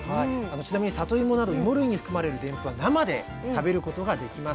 ちなみにさといもなどいも類に含まれるでんぷんは生で食べることができません。